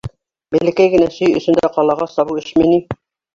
Бәләкәй генә сөй өсөн дә ҡалаға сабыу эшме ни!